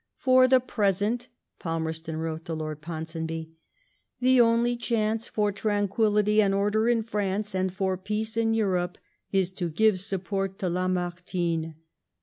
" For the present," Palmerston wrote to Lord Ponsonby, *' the only chance for tranquillity and order in France, and for peace in Europe, is to give support to Lamartine.